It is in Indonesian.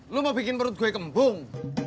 lo mau bikin perut gue kembung